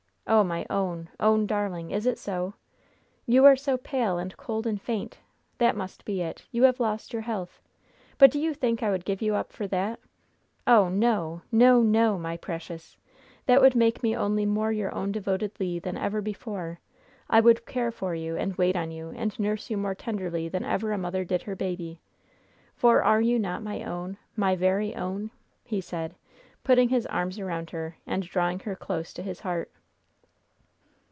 Oh, my own, own darling! is it so? You are so pale and cold and faint! That must be it. You have lost your health. But do you think I would give you up for that? Oh, no, no, no, my precious! That would make me only more your own devoted Le than ever before. I would care for you, and wait on you, and nurse you more tenderly than ever a mother did her baby. For are you not my own my very own?" he said, putting his arms around her and drawing her close to his heart.